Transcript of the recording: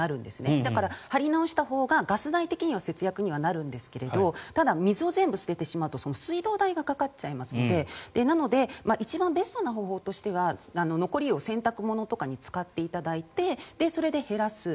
だから張り直したほうがガス代的には節約にはなるんですがただ、水を全部捨てると水道代がかかっちゃいますのでなので、一番ベストな方法は残り湯を洗濯物とかに使っていただいてそれで減らす。